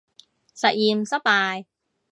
實驗失敗